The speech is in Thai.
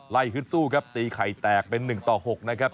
ฮึดสู้ครับตีไข่แตกเป็น๑ต่อ๖นะครับ